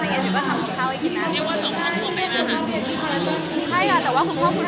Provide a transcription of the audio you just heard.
แล้วก็มีแบบแหม่มาป้าก็แทนข้าวที่บ้าง